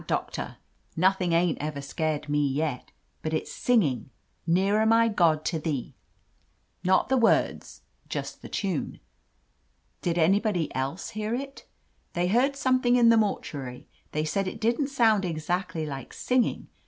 Doctor. Nothing ain't ever scared me yet. But — it's singing 'Nearer, my God, to Thee' — ^not the words. Just the tune." "Did anybody else hear it ?" "They heard something in the mortuary. They said it didn't sound exactly like singing.